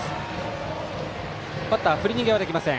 バッター、振り逃げはできません。